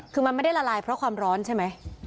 คือมันไม่ได้ละลายเพราะความร้อนใช่ไหม